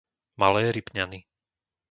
Malé Ripňany